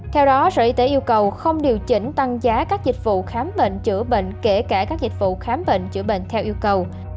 theo đó sở y tế yêu cầu không điều chỉnh tăng giá các dịch vụ khám bệnh chữa bệnh kể cả các dịch vụ khám bệnh chữa bệnh theo yêu cầu